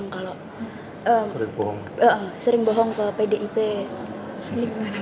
kalau sering bohong ke pdip ini gimana pak asto